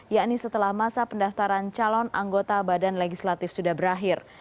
yakni setelah masa pendaftaran calon anggota badan legislatif sudah berakhir